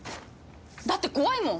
だって、怖いもん！